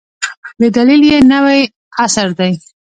د دلیل یې نوی عصر دی.